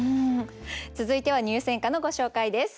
続いては入選歌のご紹介です。